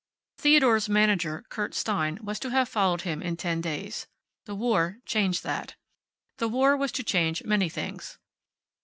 Theodore's manager, Kurt Stein, was to have followed him in ten days. The war changed that. The war was to change many things.